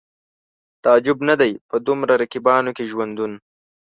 تعجب نه دی په دومره رقیبانو کې ژوندون